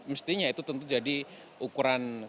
mestinya itu tentu jadi ukuran